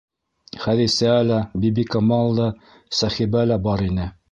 Хәҙисә лә, Бибикамал да, Сәхибә лә бар ине.